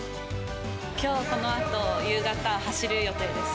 きょうこのあと、夕方、走る予定です。